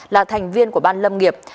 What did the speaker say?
là thành viên của ban lâm nghiệp